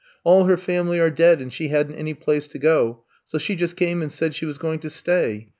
All her family are dead and she had n 't any place to go; so she just came and said she was going to stay.